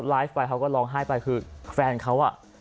ไลฟ์ไปเขาก็ร้องไห้ไปคือแฟนเขาอ่ะ